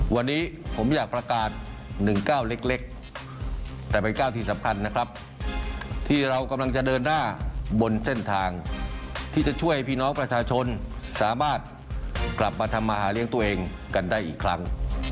วันนี้ผมอยากประกาศ๑๙เล็กแต่เป็นก้าวที่สำคัญนะครับที่เรากำลังจะเดินหน้าบนเส้นทางที่จะช่วยพี่น้องประชาชนสามารถกลับมาทำมาหาเลี้ยงตัวเองกันได้อีกครั้ง